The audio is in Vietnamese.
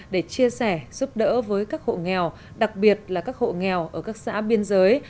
để chia sẻ giúp đỡ với các hộ nghèo đặc biệt là các hộ nghèo ở các xã biên giới